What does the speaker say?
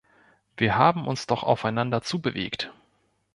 Wir haben uns doch aufeinander zubewegt.